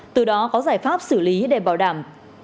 từ đó có giải pháp xử lý để bảo đảm